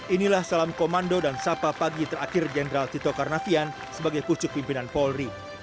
inilah salam komando dan sapa pagi terakhir jenderal tito karnavian sebagai pucuk pimpinan polri